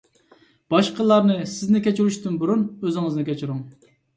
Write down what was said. باشقىلارنى سىزنى كەچۈرۈشىدىن بۇرۇن، ئۆزىڭىزنى كەچۈرۈڭ.